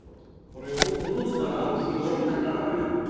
これを戻したら正体が現れる。